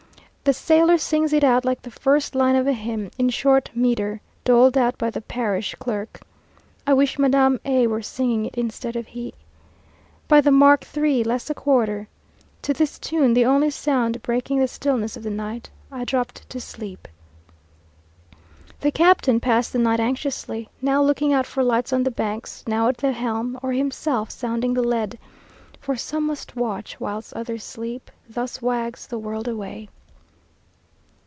The sailor sings it out like the first line of a hymn in short metre, doled out by the parish clerk. I wish Madame A were singing it instead of he. "By the mark three, less a quarter." To this tune, the only sound breaking the stillness of the night, I dropped to sleep. The captain passed the night anxiously, now looking out for lights on the Banks, now at the helm, or himself sounding the lead: "For some must watch whilst others sleep; Thus wags the world away."